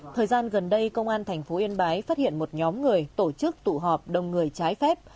thời gian gần đây công an thành phố yên bái phát hiện một nhóm người tổ chức tụ họp đồng người trái phép